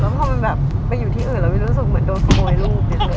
แล้วพอมันแบบไปอยู่ที่อื่นเราจะรู้สึกเหมือนโดนสมอยลูก